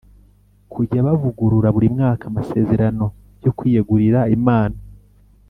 kujya bavugurura buri mwaka amasezerano yo kwiyegurira imana